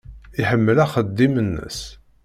Iḥemmel axeddim-nnes.